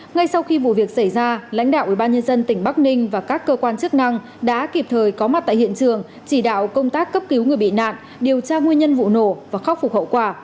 ngay sau khi vụ việc xảy ra lãnh đạo ubnd tỉnh bắc ninh và các cơ quan chức năng đã kịp thời có mặt tại hiện trường chỉ đạo công tác cấp cứu người bị nạn điều tra nguyên nhân vụ nổ và khắc phục hậu quả